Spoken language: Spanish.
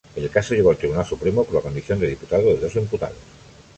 El caso llegó al Tribunal Supremo por la condición de diputados de dos imputados.